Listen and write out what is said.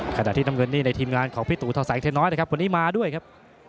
กระดาธิท่านมมิเงินนี่ในทีมงานของของพี่ทูท่อแสงเทียนน้อยนะครับวันนี้มาด้วยครับ